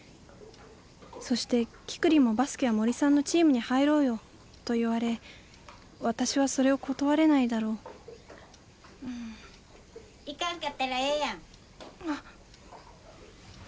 そして「キクリンもバスケは森さんのチームに入ろうよ」と言われ私はそれを断れないだろう行かんかったらええやん！